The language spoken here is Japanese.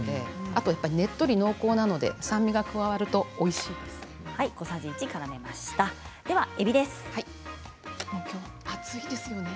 あとやっぱり、ねっとり濃厚なので酸味が加わるとおいしいですね。